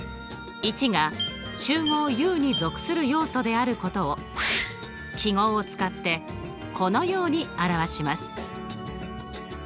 １が集合Ｕに属する要素であることを記号を使ってこのように表します。